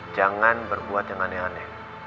jangan berbuat yang aneh aneh